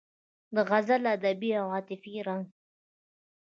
د غزل ادبي او عاطفي رنګ